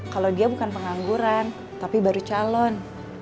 kalau dia bukan pengangguran tapi baru calon